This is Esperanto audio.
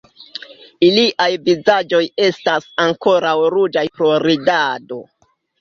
Iliaj vizaĝoj estas ankoraŭ ruĝaj pro ridado.